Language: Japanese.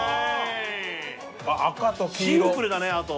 シンプルだねあと。